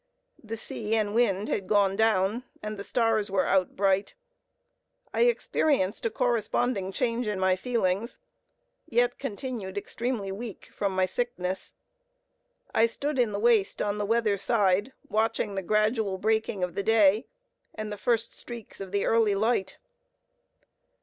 The sea and wind had gone down, and the stars were out bright. I experienced a corresponding change in my feelings; yet continued extremely weak from my sickness. I stood in the waist on the weather side, watching the gradual breaking of the day, and the first streaks of the early light.